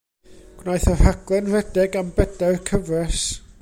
Gwnaeth y rhaglen redeg am bedair cyfres.